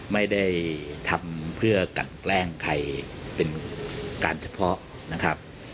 ไม่ได้ทำเพื่อกันแกล้งใครเป็นการเฉพาะนะครับ